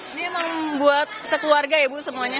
ini emang buat sekeluarga ya bu semuanya